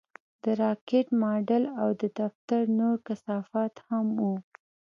د راکټ ماډل او د دفتر نور کثافات هم وو